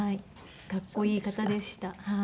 かっこいい方でした。